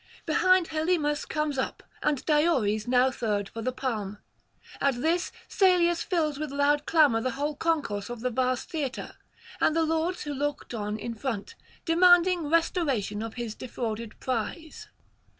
Behind Helymus comes [339 373]up, and Diores, now third for the palm. At this Salius fills with loud clamour the whole concourse of the vast theatre, and the lords who looked on in front, demanding restoration of his defrauded prize.